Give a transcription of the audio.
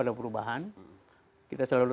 ada perubahan kita selalu